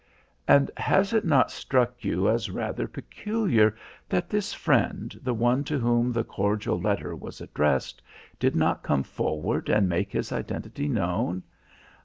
"And has it not struck you as rather peculiar that this friend, the one to whom the cordial letter was addressed, did not come forward and make his identity known?